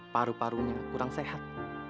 paru parunya kurang sehat